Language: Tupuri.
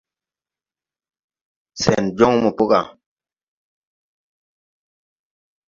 Sɛn jɔŋ mo po gà.